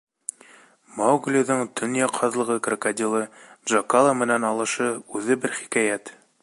Мауглиҙың төньяҡ һаҙлығы крокодилы Джакала менән алышы — үҙе бер хикәйәт!